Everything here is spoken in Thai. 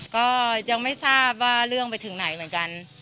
ก็ยังไม่ทราบว่าเรื่องไปถึงไหนเหมือนกัน